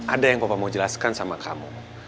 ada yang bapak mau jelaskan sama kamu